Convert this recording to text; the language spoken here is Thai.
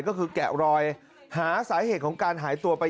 ก็คือแกะรอยหาสาเหตุของการหายตัวไป